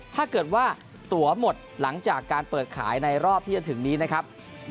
ถ้าเกิดว่าตัวหมดหลังจากการเปิดขายในรอบที่จะถึงนี้นะครับ